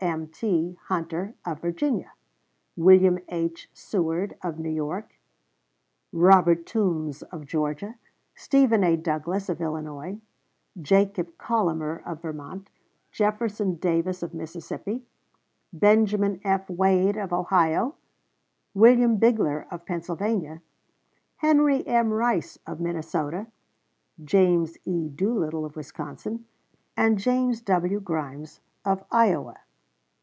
M.T. Hunter, of Virginia; Wm. H. Seward, of New York; Robert Toombs, of Georgia; Stephen A. Douglas, of Illinois; Jacob Collamer, of Vermont; Jefferson Davis, of Mississippi; Benjamin F. Wade, of Ohio; William Bigler, of Pennsylvania; Henry M. Rice, of Minnesota; James E. Doolittle, of Wisconsin, and James W. Grimes, of Iowa.